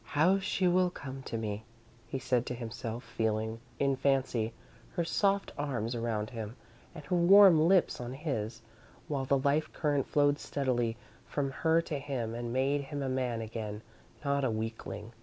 "How she will come to me," he said to himself, feeling, in fancy, her soft arms around him, and her warm lips on his, while the life current flowed steadily from her to him and made him a man again, not a weakling.